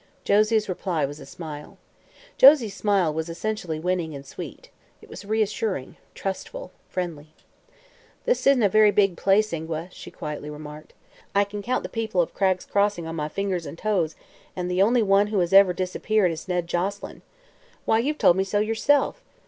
Josie's reply was a smile. Josie's smile was essentially winning and sweet. It was reassuring, trustful, friendly. "This isn't a very big place, Ingua," she quietly remarked. "I can count the people of Cragg's Crossing on my fingers and toes, and the only one who has ever disappeared is Ned Joselyn. Why, you've told me so yourself.